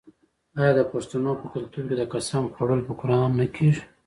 آیا د پښتنو په کلتور کې د قسم خوړل په قران نه کیږي؟